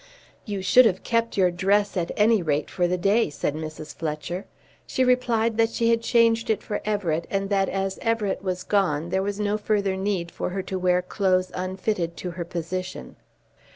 "You should have kept your dress at any rate for the day," said Mrs. Fletcher. She replied that she had changed it for Everett, and that as Everett was gone there was no further need for her to wear clothes unfitted to her position.